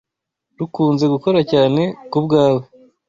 Rukunze gukora cyane kubwawe